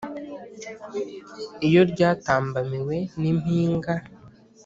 Iyo ryatambamiwe nimpinga